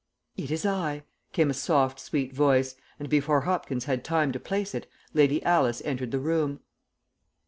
"It is I," came a soft, sweet voice, and before Hopkins had time to place it, Lady Alice entered the room.